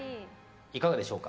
いかがでしょうか？